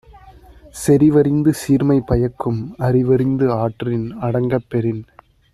செறிவறிந்து சீர்மை பயக்கும் அறிவறிந்து ஆற்றின் அடங்கப் பெறின்